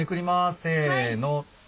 せの。